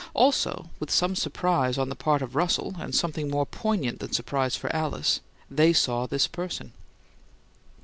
Also, with some surprise on the part of Russell, and something more poignant than surprise for Alice, they saw this person.